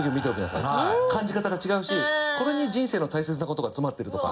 感じ方が違うしこれに人生の大切な事が詰まってるとか。